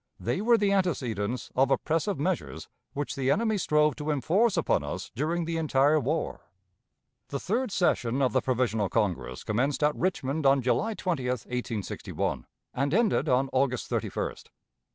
They were the antecedents of oppressive measures which the enemy strove to enforce upon us during the entire war. The third session of the Provisional Congress commenced at Richmond on July 20, 1861, and ended on August 31st.